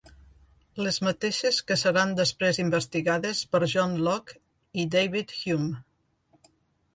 Les mateixes que seran després investigades per John Locke i David Hume.